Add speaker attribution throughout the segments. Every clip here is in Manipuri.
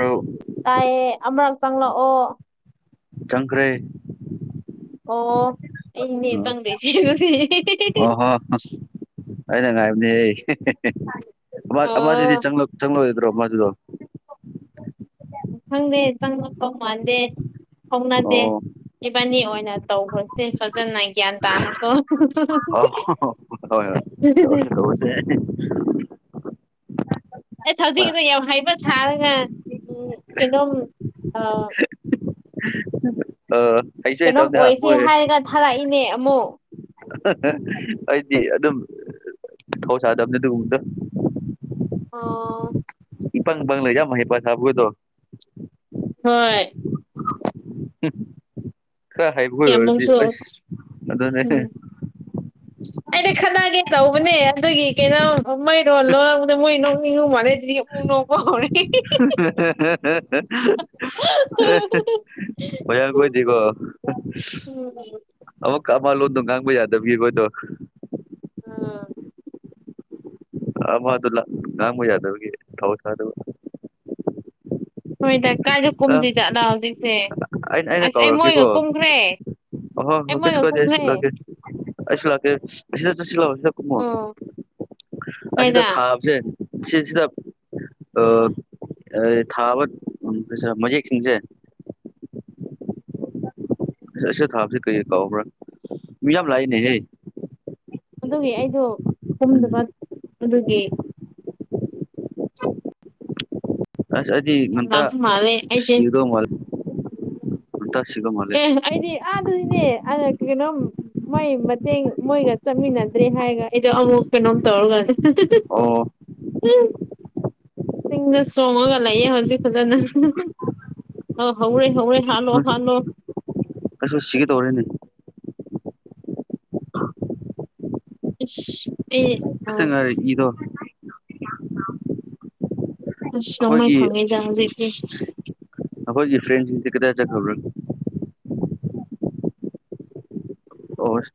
Speaker 1: ꯑꯧ
Speaker 2: ꯇꯥꯏꯌꯦ ꯑꯃꯨꯔꯛ ꯆꯪꯂꯛꯑꯣ꯫
Speaker 1: ꯆꯪꯈ꯭ꯔꯦ꯫
Speaker 2: ꯑꯣ ꯑꯩꯅꯦ
Speaker 1: ꯎꯝ
Speaker 2: ꯆꯪꯗꯔꯤꯁꯦ ꯗꯨꯗꯤ [unintelligible]
Speaker 1: ꯑꯣꯍꯣ ꯑꯩꯅ ꯉꯥꯏꯕꯅꯦ [unintelligible] ꯑꯃ
Speaker 2: ꯑꯣ
Speaker 1: ꯑꯃꯗꯨꯗꯤ ꯆꯪꯂꯛ ꯆꯪꯂꯛꯑꯣꯏꯗ꯭ꯔꯣ ꯃꯥꯗꯨꯕ‌ꯣ?
Speaker 2: ꯈꯪꯗꯦ ꯆꯪꯂꯛꯇꯧ ꯃꯥꯟꯗꯦ ꯐꯥꯎꯅꯗꯦ꯫
Speaker 1: ꯑꯣ
Speaker 2: ꯏꯕꯥꯅꯤ ꯑꯣꯏꯅ ꯇꯧꯔꯁꯦ ꯐꯖꯅꯥꯏ꯫ ꯌꯥꯟ ꯇꯥꯅ ꯀꯣ꯫
Speaker 1: ꯇꯧꯔꯥꯁ‌ꯦ
Speaker 2: ꯑꯦꯁ ꯍꯧꯖꯤꯛꯗ ꯌꯥꯝ ꯍꯩꯕ ꯁꯥꯔꯒ ꯎꯝ ꯀꯩꯅꯣꯝ ꯑꯥ꯫
Speaker 1: ꯑ ꯍꯩ꯫
Speaker 2: ꯀꯩꯅꯣꯝ ꯑꯣꯏꯁꯦ ꯍꯥꯏꯔꯒ ꯊꯥꯔꯛꯏꯅꯦ ꯑꯃꯨꯛ꯫
Speaker 1: ꯑꯩꯗꯤ ꯑꯗꯨꯝ ꯊꯧꯁꯥꯗꯕꯅꯦ ꯑꯗꯨꯒꯨꯝꯕꯗꯨ꯫
Speaker 2: ꯑꯣ꯫
Speaker 1: ꯏꯄꯪ ꯄꯪ ꯂꯩꯖ ꯌꯥꯝ ꯍꯩꯄꯥꯁꯥꯕꯒꯩꯗꯣ꯫
Speaker 2: ꯍꯣꯏ꯫
Speaker 1: ꯈꯔ ꯍꯩꯕꯣꯏ ꯑꯣꯏꯔꯗꯤ
Speaker 2: ꯀꯌꯥꯃꯨꯛꯁꯨ
Speaker 1: ꯑꯁ ꯑꯗꯨꯅꯦ꯫
Speaker 2: ꯑꯩꯗꯤ ꯈꯠꯅꯒꯦ ꯇꯧꯕꯅꯦ ꯑꯗꯨꯒꯤ ꯀꯩꯅꯣ ꯑꯥ ꯃꯣꯢ ꯔꯣꯜ ꯂꯣꯏꯔꯛꯄꯗꯣ ꯃꯣꯏ ꯅꯣꯛꯅꯤꯡꯕ ꯃꯥꯜꯂꯦ ꯑꯗꯨꯒꯤ꯫ ꯑꯩ ꯅꯣꯛꯄ ꯍꯧꯔꯦ꯫ [unintelligible]
Speaker 1: [unintelligible] ꯍꯥꯥ ꯍꯥ ꯍꯥ [unintelligible] ꯃꯌꯥꯜ ꯈꯣꯏꯗꯤꯀꯣ꯫
Speaker 2: ꯎꯝ ꯎꯝ꯫
Speaker 1: ꯀꯥꯃꯟ ꯂꯣꯟꯗꯣ ꯉꯥꯡꯕ ꯌꯥꯗꯕꯒꯤ ꯈꯣꯏꯗꯣ꯫
Speaker 2: ꯑꯥ
Speaker 1: ꯑꯃꯗꯨ ꯂꯥ ꯉꯥꯡꯕ ꯌꯥꯗꯕꯒꯤ ꯊꯧ ꯁꯥꯗꯕ꯫
Speaker 2: ꯍꯣꯏꯗ ꯀꯥꯏꯗ ꯀꯨꯝꯗꯣꯏ ꯖꯥꯠꯂ ꯍꯧꯖꯤꯛꯁꯦ ꯑꯁ ꯑꯩ ꯃꯣꯏꯒ ꯀꯨꯝꯈ꯭ꯔꯦ꯫
Speaker 1: ꯑꯍ
Speaker 2: ꯑꯩ ꯃꯣꯏꯒ
Speaker 1: ꯀꯩꯁꯨ ꯀꯥꯏꯗꯦ ꯑꯩꯁꯨ
Speaker 2: ꯀꯨꯝꯈ꯭ꯔꯦ
Speaker 1: ꯂꯥꯛꯀꯦ ꯑꯩꯁꯨ ꯂꯥꯛꯀꯦ ꯑꯁꯤꯗ ꯆꯠꯁꯤꯂꯥꯎ ꯁꯤꯗ ꯀꯨꯝꯃꯣ
Speaker 2: ꯑꯣ
Speaker 1: ꯑꯁꯤꯗ
Speaker 2: ꯀꯩꯗ
Speaker 1: ꯊꯥꯕꯖꯦ ꯁꯤꯁꯤꯗ ꯑꯥ ꯑꯩ ꯊꯥꯕ ꯎꯝ ꯄꯩꯁꯥ ꯃꯌꯦꯛꯁꯤꯡꯖꯦ ꯑꯁ ꯑꯁꯤꯗ ꯊꯥꯕꯖꯦ ꯀꯩ ꯀꯥꯎꯕ꯭ꯔꯥ ꯃꯤ ꯌꯥꯝ ꯂꯥꯛꯏꯅꯦꯍꯦ
Speaker 2: ꯑꯗꯨꯒꯤ ꯑꯩꯗꯣ
Speaker 1: ꯎꯝ
Speaker 2: ꯇꯨꯝꯗꯕ ꯑꯗꯨꯒꯤ
Speaker 1: ꯑꯁ ꯑꯩꯗꯤ
Speaker 2: ꯌꯥꯝ
Speaker 1: ꯉꯟꯇꯥ
Speaker 2: ꯂꯥꯡꯕ ꯃꯥꯜꯂꯦ ꯑꯩꯁꯦ
Speaker 1: ꯁꯤꯒꯗꯧ ꯃꯥꯜ ꯉꯟꯇꯥ ꯁꯤꯗꯧ ꯃꯥꯜꯂꯦ
Speaker 2: ꯑꯦ ꯑꯩꯗꯤ ꯑꯗꯨꯗꯤꯅꯦ ꯑꯥ ꯀꯩꯅꯣꯝ ꯃꯣꯏ ꯃꯇꯦꯡ ꯃꯣꯏꯒ ꯆꯠꯃꯤꯟꯅꯗ꯭ꯔꯤ ꯍꯥꯏꯒ ꯑꯩꯗꯣ ꯑꯃꯨꯛ ꯀꯩꯅꯣꯝ ꯇꯧꯔꯒ [unintelligible]
Speaker 1: ꯑꯣ
Speaker 2: [unintelligible] ꯆꯤꯡꯗ ꯆꯣꯡꯉꯒ ꯂꯩꯌꯦ ꯍꯧꯖꯤꯛ ꯐꯖꯅ ꯑꯣ ꯍꯧꯔꯦ ꯍꯧꯔꯦ ꯍꯥꯠꯂꯣ ꯍꯥꯠꯂꯣ
Speaker 1: ꯑꯩꯁꯨ ꯁꯤꯒꯗꯣꯔꯦꯅꯦ
Speaker 2: ꯏꯁ ꯑꯩ
Speaker 1: ꯈꯤꯠꯇ
Speaker 2: ꯑꯥ
Speaker 1: ꯉꯥꯏꯔꯦ ꯏꯗꯣ
Speaker 2: ꯑꯁ ꯅꯣꯡꯃꯩ
Speaker 1: ꯑꯈꯣꯏꯒꯤ-
Speaker 2: ꯐꯪꯉꯤꯗ ꯍꯧꯖꯤꯛꯇꯤ
Speaker 1: ꯑꯈꯣꯏꯒꯤ ꯐ꯭ꯔꯦꯟꯁꯤꯡꯖꯦ ꯀꯗꯥꯏ ꯆꯠꯈ꯭ꯔꯕ꯭ꯔꯥ? ꯑꯣꯁ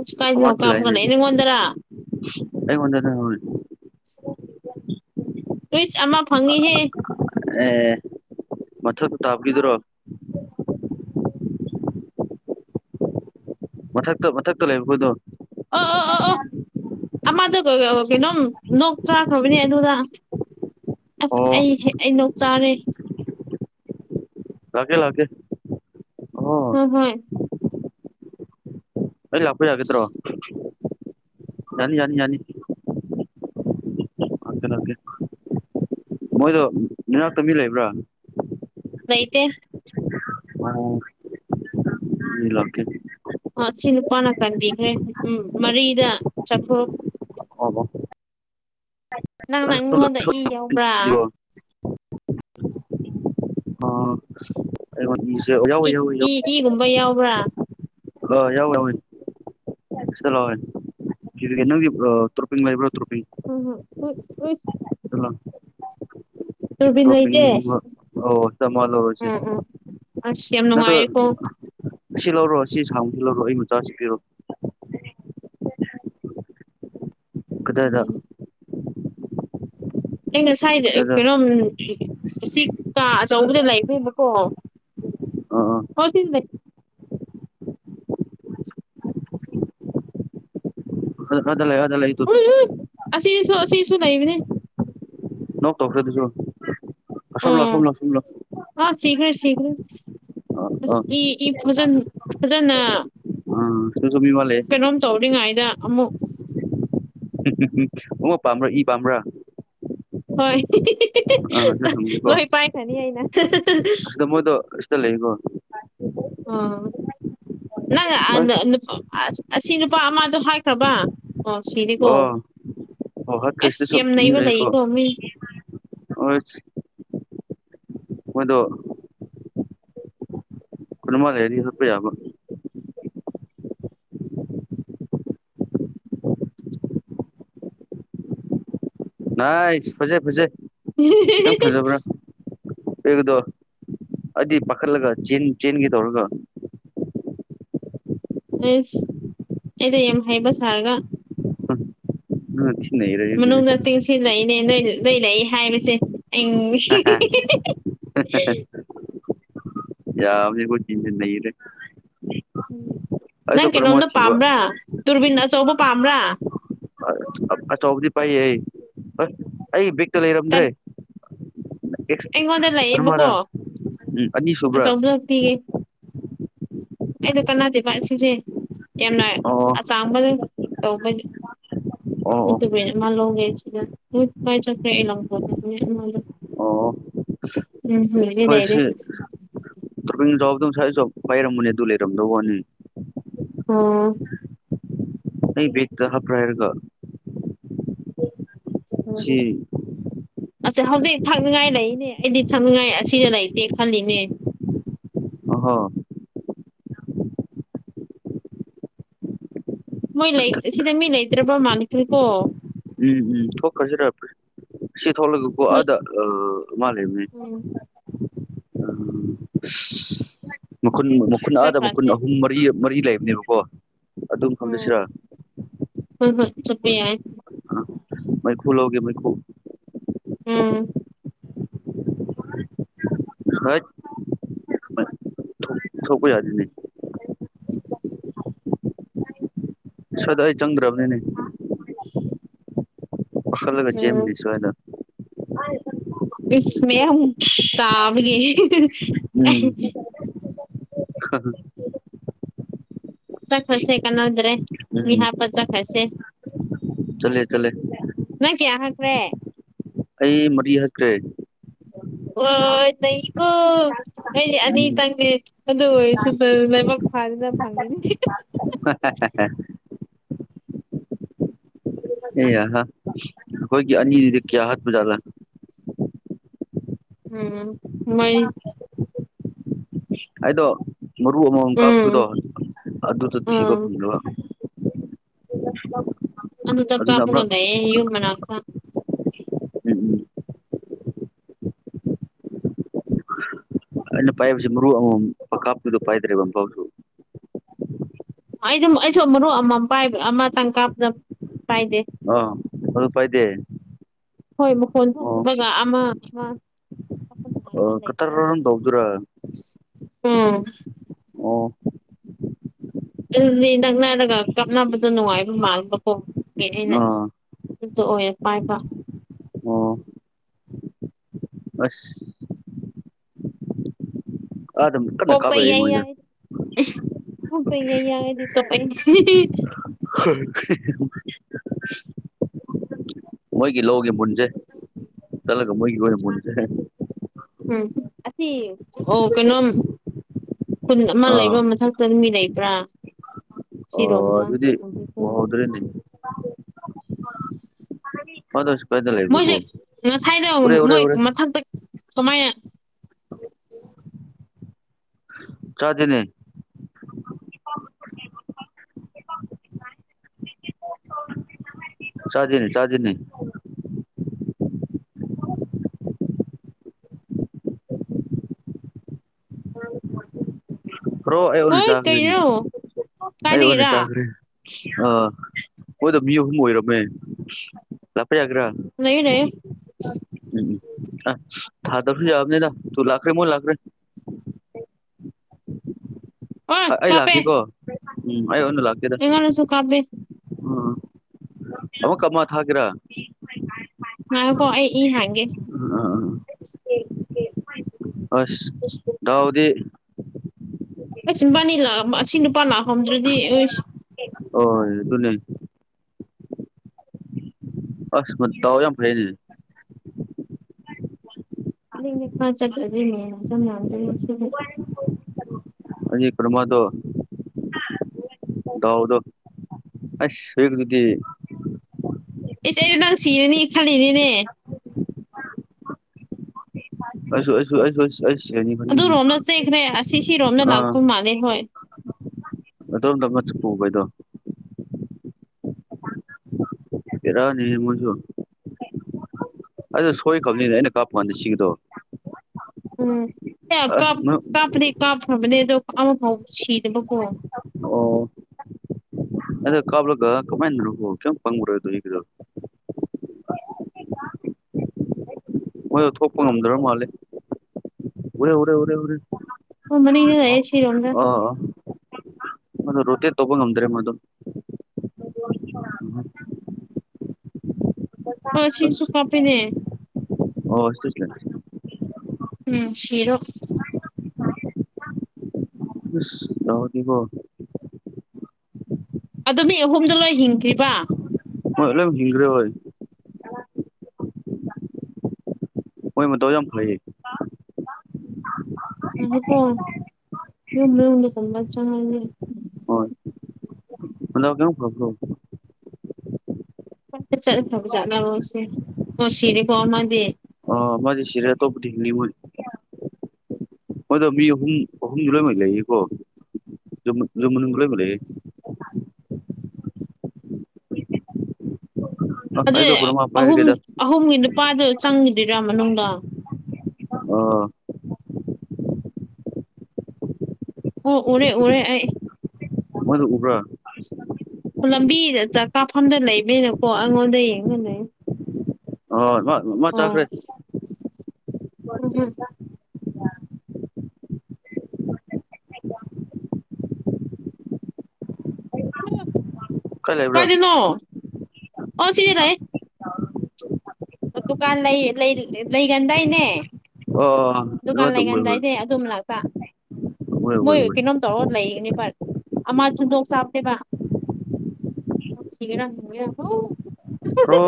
Speaker 2: ꯑꯁ ꯀꯥꯏꯗꯅꯣ ꯀꯥꯞꯄꯒ ꯂꯩꯌꯦ ꯅꯉꯣꯟꯗꯔꯥ
Speaker 1: ꯑꯩꯉꯣꯟꯗꯅꯦ ꯍꯣꯢ
Speaker 2: ꯎꯏꯁ ꯑꯃ ꯐꯪꯉꯤꯍꯦ
Speaker 1: ꯑꯦ ꯃꯊꯨꯟ ꯇꯥꯕꯒꯤꯗꯨꯔꯣ? ꯃꯊꯛꯇ ꯃꯊꯛꯇ ꯂꯩꯕ ꯈꯣꯢꯗꯣ [unintelligible]
Speaker 2: ꯑꯃꯗꯨꯒ ꯑꯥ ꯀꯩꯅꯣꯝ ꯅꯣꯛ ꯆꯥꯈ꯭ꯔꯕꯅꯦ ꯑꯗꯨꯗ ꯑꯁ
Speaker 1: ꯑꯣ
Speaker 2: ꯑꯩ ꯍꯦ ꯑꯩ ꯅꯣꯛ ꯆꯥꯔꯦ
Speaker 1: ꯂꯥꯛꯀꯦ ꯂꯥꯛꯀꯦ ꯑꯣ
Speaker 2: ꯍꯣ ꯍꯣꯏ
Speaker 1: ꯑꯩ ꯂꯥꯛꯄ ꯌꯥꯒꯤꯗ꯭ꯔꯣ
Speaker 2: ꯑꯁ
Speaker 1: ꯌꯥꯅꯤ ꯌꯥꯅꯤ ꯌꯥꯅꯤ ꯂꯥꯛꯀꯦ ꯂꯥꯛꯀꯦ ꯃꯣꯏꯗꯣ ꯅꯅꯥꯛꯇ ꯃꯤ ꯂꯩꯕ꯭ꯔꯥ?
Speaker 2: ꯂꯩꯇꯦ
Speaker 1: [unintelligible] ꯑꯩ ꯂꯥꯛꯀꯦ
Speaker 2: ꯑꯥ ꯁꯤ ꯅꯨꯄꯥꯅ ꯀꯟꯕꯤꯈ꯭ꯔꯦ ꯎꯝ ꯃꯔꯤꯗ ꯆꯐꯨ
Speaker 1: [unintelligible]
Speaker 2: ꯅꯪ
Speaker 1: ꯑꯩꯉꯣꯟꯗ
Speaker 2: ꯅꯉꯣꯟꯗ ꯏ ꯌꯥꯎꯕ꯭ꯔꯥ?
Speaker 1: ꯑꯥ [inaudible] [unintelligible]
Speaker 2: ꯏꯛ ꯏ ꯏꯒꯨꯝꯕ ꯌꯥꯎꯕ꯭ꯔꯥ
Speaker 1: ꯑꯥ ꯌꯥꯎꯋꯤ ꯌꯥꯎꯋꯤ [unintelligible] ꯅꯪꯒꯤ ꯑꯥ ꯇ꯭ꯔꯣꯄꯤꯡ ꯂꯩꯕ꯭ꯔꯣ ꯇ꯭ꯔꯣꯄꯤꯡ
Speaker 2: [unintelligible]
Speaker 1: [unintelligible]
Speaker 2: ꯇꯨꯔꯕꯤꯟ ꯂꯩꯇꯦ
Speaker 1: ꯇ꯭ꯔꯣꯄꯤꯡꯒꯨꯝꯕ ꯑꯣꯠꯁ ꯑꯃ ꯂꯧꯔꯁꯤ
Speaker 2: ꯎꯝ ꯎꯝ ꯑꯁ ꯌꯥꯝ
Speaker 1: ꯅꯠꯇ꯭ꯔꯥꯒ
Speaker 2: ꯅꯨꯡꯉꯥꯏꯔꯦꯀꯣ
Speaker 1: ꯁꯤ ꯂꯧꯔꯣ ꯑꯁꯤ ꯁꯥꯡꯕꯖꯤ ꯂꯧꯔꯣ ꯑꯩ ꯃꯆꯥꯁꯤ ꯄꯤꯔꯣ ꯀꯗꯥꯏꯗꯥ
Speaker 2: ꯎꯝ ꯑꯩ ꯉꯁꯥꯏꯗ
Speaker 1: ꯀꯗꯥꯏꯗ
Speaker 2: ꯀꯩꯔꯣꯝ ꯁꯤ ꯀꯥ ꯑꯆꯧꯕꯗ ꯂꯩꯈ꯭ꯔꯦꯕꯀꯣ
Speaker 1: ꯑꯥ
Speaker 2: ꯍꯣ ꯁꯤꯗ ꯂꯩ
Speaker 1: ꯈꯔ ꯑꯥꯗ ꯂꯩ ꯑꯥꯗ ꯂꯩ ꯇꯨ
Speaker 2: ꯎꯝ ꯎꯝ ꯑꯁꯤꯁꯨ ꯑꯁꯤꯁꯨ ꯂꯩꯕꯅꯦ
Speaker 1: ꯅꯣꯛ ꯇꯧꯈ꯭ꯔꯦ ꯑꯗꯨꯁꯨ ꯑꯁꯣꯝ
Speaker 2: ꯑꯣ
Speaker 1: ꯂꯥꯎ ꯁꯣꯝ ꯂꯥꯎ ꯁꯣꯝ ꯂꯥꯎ
Speaker 2: ꯑꯥ ꯁꯤꯈ꯭ꯔꯦ ꯁꯤꯈ꯭ꯔꯦ
Speaker 1: ꯑꯥ
Speaker 2: ꯑꯁ
Speaker 1: ꯑꯥ
Speaker 2: ꯏ ꯏ ꯐꯥꯖꯟ ꯐꯖꯅꯥ
Speaker 1: ꯎꯝ ꯁꯤꯗꯥꯁꯨ ꯃꯤ ꯃꯥ ꯂꯩ
Speaker 2: ꯅꯣꯝ ꯇꯧꯔꯤꯉꯩꯗ ꯑꯃꯨꯛ
Speaker 1: ꯑꯣꯉꯛ ꯄꯥꯝꯕꯔꯥ ꯏ ꯄꯥꯝꯕꯔꯥ
Speaker 2: ꯍꯣꯏ
Speaker 1: ꯑꯥ ꯑꯗꯨꯗ ꯊꯝꯒꯦꯀꯣ
Speaker 2: ꯌꯥꯅꯤ ꯑꯩꯅ
Speaker 1: ꯑꯁꯤꯗ ꯃꯣꯏꯗꯣ ꯑꯁꯤꯗ ꯂꯩꯒꯣ
Speaker 2: ꯑꯣ ꯅꯪ ꯑꯥꯅ ꯅꯨꯞ ꯑꯁꯤ ꯅꯨꯄꯥ ꯑꯃꯗꯣ ꯍꯥꯏꯈ꯭ꯔꯥꯕ ꯑꯣ ꯁꯤꯔꯦꯀꯣ
Speaker 1: ꯑꯣ ꯑꯣ ꯍꯥꯠꯈ꯭ꯔꯦ
Speaker 2: ꯑꯁ ꯌꯥꯝ ꯅꯩꯕ ꯂꯩꯌꯦꯀꯣ ꯃꯤ
Speaker 1: ꯑꯣꯏꯠꯁ ꯃꯣꯏꯗꯣ ꯀꯩꯅꯣꯝꯃꯥ ꯂꯩꯔꯗꯤ ꯍꯨꯠꯄ ꯌꯥꯕ ꯅꯥꯏꯁ ꯐꯖꯩ ꯐꯖꯩ ꯇꯪ ꯐꯖꯕ꯭ꯔꯥ ꯑꯦꯒꯥꯗꯣ ꯑꯩꯗꯤ ꯄꯥꯈꯠꯂꯒ ꯆꯦꯟ ꯆꯦꯟꯒꯦ ꯇꯧꯔꯒ
Speaker 2: ꯏꯁ ꯑꯩꯗꯤ ꯌꯥꯝ ꯍꯩꯕ ꯁꯥꯔꯒ
Speaker 1: ꯅꯪꯅ ꯊꯤ ꯅꯩꯔꯦ ꯑꯗꯨꯗꯤ
Speaker 2: ꯃꯅꯨꯡꯗ ꯆꯤꯡꯁꯤꯜꯂꯛꯏꯅꯦ ꯅꯣꯏ ꯅꯣꯏ ꯂꯩ ꯍꯥꯏꯕꯁꯦ [unintelligible]
Speaker 1: ꯌꯥꯕꯅꯦ ꯈꯣꯏ ꯇꯤꯝ ꯖꯦ ꯅꯩꯔꯦ
Speaker 2: ꯎꯝ
Speaker 1: ꯑꯩꯗꯣ
Speaker 2: ꯅꯪ
Speaker 1: ꯀꯩꯅꯣꯃ
Speaker 2: ꯀꯩꯅꯣꯝꯗꯣ
Speaker 1: ꯊꯤꯕ
Speaker 2: ꯄꯥꯝꯕ꯭ꯔꯥ ꯇꯨꯔꯕꯤꯟ ꯑꯆꯧꯕ ꯄꯥꯝꯕ꯭ꯔꯥ
Speaker 1: ꯑꯆꯧꯕꯗꯤ ꯄꯥꯏꯌꯦ ꯑꯩ ꯑꯦ ꯑꯩ ꯕꯦꯛꯇꯥ ꯂꯩꯔꯝꯗ꯭ꯔꯦ
Speaker 2: ꯇꯟ-
Speaker 1: ꯑꯦꯛꯁ
Speaker 2: ꯑꯩꯉꯣꯟꯗ ꯂꯩꯌꯦꯕꯀꯣ
Speaker 1: ꯀꯩꯅꯣꯃꯔꯥ ꯎꯝ ꯑꯅꯤ ꯁꯨꯕ꯭ꯔꯥ
Speaker 2: ꯑꯆꯧꯕꯗꯣ ꯄꯤꯒꯦ ꯑꯩꯗ ꯀꯅꯥꯗꯦꯕ ꯑꯁꯤꯁꯦ ꯌꯥꯝꯅ
Speaker 1: ꯑꯣ
Speaker 2: ꯑꯆꯥꯡꯕꯒꯩ ꯇꯧꯕꯒꯤ
Speaker 1: ꯑꯣ ꯑꯣ
Speaker 2: [unintelligible] ꯑꯃ ꯂꯧꯒꯦ ꯁꯤꯖꯟ ꯍꯨꯠ ꯄꯥꯏ ꯆꯠꯈ꯭ꯔꯦ ꯑꯩ ꯂꯪꯊꯣꯛꯈ꯭ꯔꯥꯕꯅꯦ ꯑꯃꯗꯣ ꯎꯝ ꯂꯩꯔꯦ
Speaker 1: ꯑꯈꯣꯏ
Speaker 2: ꯂꯩꯔꯦ
Speaker 1: ꯁꯤ ꯇ꯭ꯔꯣꯕꯤꯟꯖꯥꯎꯕꯗꯣ ꯉꯁꯥꯏ ꯖꯣꯕ ꯄꯥꯏꯔꯝꯕꯅꯤ ꯑꯗꯨ ꯂꯩꯔꯝꯗꯕ ꯋꯥꯅꯤ
Speaker 2: ꯑꯣ
Speaker 1: ꯑꯩ ꯕꯦꯛꯇꯥ ꯍꯥꯞꯄ꯭ꯔꯥ ꯍꯥꯏꯔꯒ ꯁꯤ
Speaker 2: [unintelligible] ꯑꯁ ꯍꯧꯖꯤꯛ ꯊꯛꯅꯤꯡꯉꯥꯏ ꯂꯩꯔꯤꯅꯦ ꯑꯩꯗꯤ ꯊꯛꯅꯤꯡꯉꯥꯏ ꯑꯁꯤꯗ ꯂꯩꯇꯦ ꯈꯜꯂꯤꯅꯦ
Speaker 1: ꯑ ꯍꯣ
Speaker 2: ꯃꯣꯏ ꯂꯩ ꯁꯤꯗ ꯃꯤ ꯂꯩꯇ꯭ꯔꯕ ꯃꯥꯟꯈꯔ꯭ꯦꯀꯣ
Speaker 1: ꯎꯝ ꯎꯝ ꯊꯣꯛꯈ꯭ꯔꯁꯤꯔ ꯁꯤ ꯊꯣꯛꯂꯒꯀꯣ
Speaker 2: ꯍꯣꯏ
Speaker 1: ꯑꯥꯗ ꯑ ꯃꯥꯂꯩꯕꯅꯦ꯫
Speaker 2: ꯎꯝ
Speaker 1: ꯃꯈꯨꯟ ꯃꯈꯨꯟ ꯑꯥꯗ ꯃꯈꯨꯟ
Speaker 2: ꯆꯠꯈ꯭ꯔꯁꯦ
Speaker 1: ꯑꯍꯨꯝ ꯃꯔꯤ ꯃꯔꯤ ꯂꯩꯕꯅꯦꯕꯀꯣ ꯑꯗꯨꯝ ꯐꯝꯗꯁꯤꯔꯥ
Speaker 2: ꯎꯝ ꯍꯣꯏ ꯍꯣꯏ ꯆꯠꯄ ꯌꯥꯏ
Speaker 1: ꯃꯩꯈꯨ ꯂꯧꯒꯦ ꯃꯩꯈꯨ
Speaker 2: ꯎꯝ
Speaker 1: ꯍꯥꯏꯠ ꯁꯣꯛꯄ ꯌꯥꯖꯤꯅꯤ
Speaker 2: [inaudible]
Speaker 1: ꯁꯗꯥ ꯑꯩ ꯆꯪꯗꯔꯕꯅꯤꯅꯦ ꯈꯟꯂꯒ ꯆꯟꯒꯤ
Speaker 2: ꯎꯝ
Speaker 1: ꯁꯥꯏꯗ
Speaker 2: ꯏꯁ ꯃꯌꯥꯝ ꯇꯥꯕꯒꯤ
Speaker 1: ꯎꯝ [unintelligible]
Speaker 2: ꯆꯠꯈꯔꯁꯦ ꯀꯥꯅꯗ꯭ꯔꯦ ꯃꯤ ꯍꯥꯥꯞꯄ ꯆꯠꯈꯔꯁꯦ꯫
Speaker 1: ꯆꯟꯂꯦ ꯆꯟꯂꯦ
Speaker 2: ꯅꯪ ꯆꯤꯌꯥ ꯍꯛꯈ꯭ꯔꯦ?
Speaker 1: ꯑꯩ ꯃꯔꯤ ꯍꯠꯈ꯭ꯔꯦ꯫
Speaker 2: ꯑꯣ ꯅꯩꯀꯣ ꯑꯩꯗꯤ ꯑꯅꯤ
Speaker 1: ꯎꯝ
Speaker 2: ꯇꯪꯅꯦ ꯑꯗꯨ ꯑꯣꯏꯔꯁꯨ ꯕ ꯂꯥꯏꯕꯛ ꯐꯥꯗꯅ ꯐꯪꯉꯤꯅꯤ꯫
Speaker 1: [unintelligible] ꯑꯦ ꯍ ꯑꯩꯈꯣꯏꯒꯤ ꯑꯅꯤꯗꯨꯗꯤ ꯀꯌꯥ ꯍꯥꯠꯄꯖꯥꯠꯂ
Speaker 2: ꯎꯝ ꯃꯣꯏ
Speaker 1: ꯑꯩꯗꯣ ꯃꯔꯨ ꯑꯃꯃꯝ
Speaker 2: ꯎꯝ
Speaker 1: ꯀꯥꯞꯄꯗꯣ ꯑꯗꯨꯗ ꯊꯤꯕ
Speaker 2: ꯎꯝ
Speaker 1: ꯐꯪꯗ꯭ꯔꯥꯕ [unintelligible]
Speaker 2: ꯑꯗꯨꯗ
Speaker 1: ꯑꯗꯨꯅ
Speaker 2: ꯀꯞꯄ
Speaker 1: ꯑꯃꯛ
Speaker 2: ꯉꯝꯗꯤꯌ‌ꯦ ꯌꯨꯝ ꯃꯅꯥꯛꯇ
Speaker 1: ꯎꯝ ꯎꯝ ꯑꯩꯅ ꯄꯥꯏꯕꯁ‌ꯦ ꯃꯔꯨ ꯑꯃꯃꯝ ꯀꯥꯞꯄꯗ, ꫭꯄꯥꯏꯗ꯭ꯔꯦ ꯑꯃꯨꯛꯐꯥꯎꯁꯨ
Speaker 2: ꯑꯩꯁꯨ ꯑꯩꯁꯨ ꯃꯔꯨꯞ ꯑꯃꯃꯝ ꯄꯥꯏꯕ ꯑꯃꯇꯪ ꯀꯥꯞꯄꯗ ꯄꯥꯏꯗꯦ
Speaker 1: ꯑ ꯑꯗꯨ ꯄꯥꯏꯗꯦ
Speaker 2: ꯍꯣꯏ ꯃꯈꯣꯟ
Speaker 1: ꯑꯣ
Speaker 2: ꯊꯣꯛꯇꯕꯒ ꯑꯃ ꯑꯃ ꯀꯥꯞꯄ
Speaker 1: ꯑꯣ ꯀꯇꯔꯟ ꯇꯧꯗ‌‌ꫭꯏꯔꯥ
Speaker 2: ꯑꫭ
Speaker 1: ꯑꯣ
Speaker 2: ꯑꯗꯨꯗꯤ ꯅꯛꯅꯔꯒ ꯀꯥꯞꯅꯕꯗꯣ ꯅꯨꯡꯉꯥꯏꯕ ꯃꯟꯕꯀꯣ ꯃꯩꯇꯩꯅ
Speaker 1: ꯑꯥ
Speaker 2: ꯑꯣꯏꯌꯦ ꯄꯥꯏ ꯕ
Speaker 1: ꯑꯣ ꯑꯁ ꯑ ꯑꯗꯨꯝ
Speaker 2: ꯄꯣꯛꯄ ꯌꯥꯏ ꯌꯥꯏ ꯄꯣꯛꯄ ꯌꯥꯏ ꯌꯥꯏꯔꯗꯤ ꯇꯣꯛꯄ ꯌꯥꯏ
Speaker 1: [unintelligible] ꯃꯣꯏꯒꯤ ꯂꯧꯒꯤ ꯃꯨꯟꯁꯦ ꯆꯠꯂꯒ ꯃꯣꯏꯒꯤ ꯃꯨꯟꯁꯦ
Speaker 2: ꯎꯝ ꯑꯁꯤꯁꯤ ꯑꯣ ꯀꯩꯅꯣ ꯈꯨꯟ ꯑꯃ
Speaker 1: ꯑꯥ
Speaker 2: ꯂꯩꯕ ꯃꯊꯛꯇ ꯃꯤ ꯂꯩꯕ꯭ꯔꯥ
Speaker 1: ꯑꯣ
Speaker 2: ꯁꯤꯔꯣꯝꯗ
Speaker 1: ꯑꯗꯨꯗꯤ [unintelligible] [unintelligible]
Speaker 2: ꯃꯣꯏꯁꯦ ꯉꯁꯥꯏꯗꯣ
Speaker 1: ꯎꯔꯦ ꯎꯔꯦ
Speaker 2: ꯃꯣꯏ
Speaker 1: ꯎꯔꯦ
Speaker 2: ꯃꯊꯛꯇ ꯀꯃꯥꯏꯅ
Speaker 1: ꯆꯥꯖꯤꯅꯦ ꯆꯖꯤꯅꯦ ꯆꯖꯤꯅꯦ ꯕꯔꯣ ꯑꯩ ꯑꯣꯏꯅ
Speaker 2: ꯍꯣꯏ
Speaker 1: ꯆꯥꯈꯔ꯭ꯦꯅꯦ
Speaker 2: ꯀꯩꯅꯣ
Speaker 1: ꯑꯩ ꯑꯣꯏꯅ
Speaker 2: ꯀꯥꯏꯗꯒꯤꯔ
Speaker 1: ꯆꯥꯈꯔ꯭ꯦ ꯑꯥ ꯃꯣꯏꯗꯣ ꯃꯤ ꯑꯍꯨꯝ ꯑꯣꯏꯔꯝꯃꯦ ꯂꯥꯛꯄ ꯌꯥꯒꯦꯔ
Speaker 2: [inaudible]
Speaker 1: ꯑꯥ ꯊꯗꯕꯁꯨ ꯌꯥꯕꯅꯤꯅ ꯇꯨ ꯂꯥꯛꯈꯔꯦ ꯃꯣꯏ ꯂꯥꯛꯈꯔꯦ
Speaker 2: ꯍꯣꯏ
Speaker 1: ꯑꯩ
Speaker 2: ꯀꯥꯞꯄꯦ
Speaker 1: ꯂꯥꯛꯀꯦꯀꯣ ꯎꯝ ꯑꯩ ꯑꯣꯏꯅ ꯂꯥꯛꯀꯦ
Speaker 2: [unintelligible]
Speaker 1: ꯑꯃꯨꯛꯀꯥ ꯑꯃ ꯊꯥꯒꯦꯔꯥ
Speaker 2: ꯉꯥꯏꯈꯣꯀꯣ ꯑꯩ ꯏ ꯍꯥꯟꯒꯦ
Speaker 1: [unintelligible] ꯑꯁ ꯗꯥꯎꯗꯤ
Speaker 2: [unintelligible]
Speaker 1: ꯑꯣꯏ ꯑꯗꯨꯅꯦ ꯑꯁ ꯃꯥ ꯗꯥꯎ ꯌꯥꯝ ꯐꯩꯅꯦ
Speaker 2: [unintelligible]
Speaker 1: ꯑꯩꯒꯤ ꯀꯩꯅꯣꯝꯃꯗꯣ ꯗꯥꯎꯗꯣ ꯑꯁ ꯍꯧꯖꯤꯛꯀꯤꯗꯨꯗꯤ
Speaker 2: ꯏꯁ ꯑꯩꯗꯨ ꯅꯪ ꯁꯤꯔꯅꯤ ꯈꯜꯂꯤꯅꯤꯅꯦ
Speaker 1: ꯑꯩꯁꯨ ꯑꯩꯁꯨ ꯑꯩ ꯁꯤꯔꯥꯅꯤ
Speaker 2: ꯑꯗꯨꯔꯣꯝꯗ ꯆꯦꯟꯈ꯭ꯔꯦ ꯑꯁꯤ
Speaker 1: ꯈꯟꯕꯅꯤ
Speaker 2: ꯁꯤꯔꯣꯝꯗ
Speaker 1: ꯑꯥ
Speaker 2: ꯂꯥꯛꯄ ꯍꯣꯏ
Speaker 1: ꯑꯗꯣꯝꯗ ꯑꯃꯁꯨ ꯄꯨꯕꯩꯗꯣ ꯕꯦꯔꯥꯅꯤꯍꯦ ꯃꯣꯏꯁꯨ ꯑꯗꯨ ꯁꯣꯏꯈꯕꯅꯤꯅꯦ ꯑꯩꯅ ꯀꯥꯞꯄꯀꯥꯟꯗ ꯁꯤꯒꯤꯗꯣ
Speaker 2: ꯎꯝ
Speaker 1: ꯑꯁ ꯅꯪ
Speaker 2: ꯀꯥꯞꯄꯗꯤ ꯀꯥꯞꯈ꯭ꯔꯕꯅꯦ ꯑꯗꯣ ꯑꯃꯐꯥꯎ ꯁꯤꯗꯕꯀꯣ
Speaker 1: ꯑꯗꯨ ꯀꯥꯞꯂꯒ [unintelligible] ꯃꯣꯏꯗꯣ ꯊꯣꯛꯄ ꯉꯝꯗ꯭ꯔ ꯃꯥꯜꯂꯦ ꯎꯔꯦ ꯎꯔꯦ ꯎꯔꯦ ꯎꯔꯦ
Speaker 2: ꯍꯣꯏ ꯃꯅꯤꯡꯗ ꯂꯩꯌꯦ ꯁꯤ
Speaker 1: ꯑꯥ ꯑꯥ ꯃꯗꯨ ꯔꯣꯇꯦꯠ ꯇꯧꯕ ꯉꯝꯗ꯭ꯔꯦ ꯃꯗꯨ [unintelligible]
Speaker 2: ꯉꯁꯤꯁꯨ
Speaker 1: ꯑꯁ
Speaker 2: ꯀꯥꯞꯄꯤꯅꯦ
Speaker 1: [unintelligible]
Speaker 2: ꯎꯝ ꯁꯤꯔꯣ
Speaker 1: ꯎꯁ ꯗꯥꯎꯗꯤꯀꯣ
Speaker 2: ꯑꯗꯣ ꯃꯤ ꯑꯍꯨꯝꯗꯣ ꯂꯣꯏ ꯍꯤꯡꯈꯔ꯭ꯤꯕ
Speaker 1: ꯍꯣꯏ ꯂꯣꯏꯝ ꯍꯤꯡꯒ꯭ꯔꯦ ꯍꯣꯏ ꯃꯣꯏ ꯃꯗꯥꯎ ꯌꯥꯝ ꯐꯩꯌꯦ
Speaker 2: ꯉꯥꯏꯌꯨꯀꯣ ꯌꯨꯝ ꯃꯅꯨꯡꯗꯒꯨꯝꯕ ꯆꯡꯉꯒꯦ
Speaker 1: ꯍꯟꯗꯛ ꯀꯌꯥꯃꯨꯛ ꯐꯕꯔꯣ
Speaker 2: ꯆꯠꯂꯦ ꯆꯠꯂꯥ ꯐꯕꯖꯥꯠꯂꯥꯕꯥ ꯃꯁꯦ ꯁꯤꯔꯦꯀꯣ ꯑꯃꯗꯤ
Speaker 1: ꯑꯃꯗꯤ ꯁꯤꯔꯦ ꯑꯇꯣꯞꯄꯗꯤ ꯍꯤꯡꯂꯤ ꯃꯣꯏ ꯃꯣꯏꯗꯣ ꯃꯤ ꯑꯍꯨꯝ ꯑꯍꯨꯝ ꯂꯣꯏꯅꯃꯛ ꯂꯩꯌꯦꯀꯣ ꯌꯨꯝ ꯃꯅꯨꯡꯗ ꯂꯣꯏꯅꯃꯛ ꯂꯩꯌꯦ
Speaker 2: ꯑꯗꯨ
Speaker 1: ꯑꯩꯗꯣ ꯀꯩꯅꯣꯝꯃ
Speaker 2: ꯑꯍꯨꯝ
Speaker 1: ꯄꯥꯏꯔꯒꯦꯗ
Speaker 2: ꯑꯍꯨꯝꯒꯤ ꯅꯨꯄꯥꯗꯣ ꯆꯪꯒꯤꯗꯣꯏꯔ ꯃꯅꯨꯡꯗ
Speaker 1: ꯑꯣ
Speaker 2: ꯑꯣ ꯎꯔꯦ ꯎꯔꯦ ꯑꯩ
Speaker 1: ꯑꯃꯗꯨ ꯎꯕ꯭ꯔꯥ
Speaker 2: ꯂꯝꯕꯤꯗ ꯑꯗꯥ ꯀꯥꯐꯝꯗ ꯂꯩꯕꯅꯤꯅꯀꯣ ꯑꯉꯣꯟꯗ ꯌꯦꯡꯉ ꯂꯩ
Speaker 1: ꯍꯣꯏ ꯍꯣꯏ ꯃꯥ
Speaker 2: ꯑꯣ
Speaker 1: ꯆꯥꯠꯈꯔꯦ
Speaker 2: ꯎꯝ ꯍꯝ ꯑꯣ
Speaker 1: ꯀꯥꯏ ꯂꯩꯕ꯭ꯔꯥ
Speaker 2: ꯀꯥꯏꯗꯅꯣ ꯑꯣ ꯁꯤꯗ ꯂꯩ ꯗꯨꯀꯥꯟ ꯂꯩ ꯂꯩ ꯂꯩꯒꯟꯗꯥꯏꯅꯦ
Speaker 1: ꯑꯥ
Speaker 2: ꯗꯨꯀꯥꯟ
Speaker 1: ꯑꯗꯨꯋꯥꯏꯗ ꯎꯋꯦ
Speaker 2: ꯂꯩꯀꯥꯟꯗꯥꯏꯅꯦ ꯑꯗꯨ ꯃꯅꯥꯛꯇ
Speaker 1: ꯎꯋꯦ ꯎꯋꯦ
Speaker 2: ꯃꯣꯏ
Speaker 1: ꯎꯋꯦ
Speaker 2: ꯀꯩꯅꯣꯝ ꯇꯧꯔ ꯂꯩꯅꯦꯕ ꯑꯃ ꯁꯨꯗꯣꯛ ꯆꯥꯕꯅꯦꯕ ꯁꯤꯒꯦꯔ ꯍꯤꯡꯒꯦꯔ ꯑꯗꯨꯝ
Speaker 1: ꯄ꯭ꯔꯣ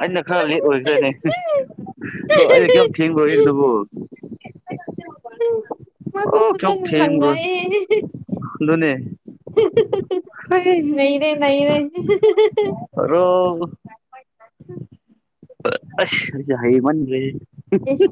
Speaker 1: ꯑꯩꯅ ꯈꯔ ꯂꯦꯠ ꯑꯣꯏꯈ꯭ꯔꯅꯦ ꯀꯣ ꯑꯩꯩꯅ ꯀꯩꯌꯥꯝ ꯊꯦꯡꯈ꯭ꯔꯒꯦ ꯑꯗꯨꯕꯨ
Speaker 2: ꯎꯝ ꯃꯥꯁꯨ
Speaker 1: ꯑꯣ ꯀꯌꯥꯝ
Speaker 2: ꯐꯖꯅ
Speaker 1: ꯊꯦꯡꯕ꯭ꯔꯣ
Speaker 2: ꯂꯡꯉꯛꯏꯌꯦ
Speaker 1: ꯍꯣꯏ
Speaker 2: ꯅꯩꯔꯦ ꯅꯩꯔꯦ
Speaker 1: ꯍꯜꯂꯣ
Speaker 2: ꯎꯝ
Speaker 1: ꯑꯁ ꯑꯩꯖꯦ ꯍꯩꯃꯟꯒꯔꯦ
Speaker 2: ꯏꯁ